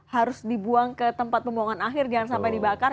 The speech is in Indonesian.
harus dibuang ke tempat pembuangan akhir jangan sampai dibakar